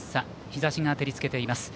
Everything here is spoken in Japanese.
日ざしが照り付けています。